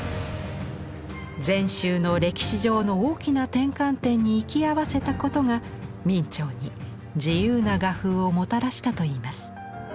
禅宗の歴史上の大きな転換点に行き合わせたことが明兆に自由な画風をもたらしたといいます。